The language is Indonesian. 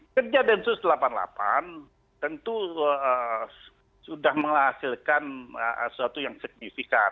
kerja densus delapan puluh delapan tentu sudah menghasilkan sesuatu yang signifikan